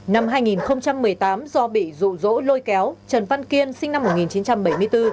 năm hai nghìn một mươi tám do bị rụ rỗ lôi kéo trần văn kiên sinh năm một nghìn chín trăm bảy mươi bốn